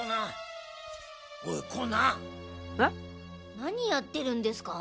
何やってるんですか？